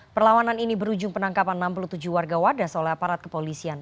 perlawanan ini berujung penangkapan enam puluh tujuh warga wadas oleh aparat kepolisian